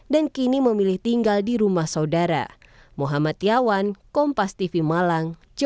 dan kini memilih tinggal di rumah saudara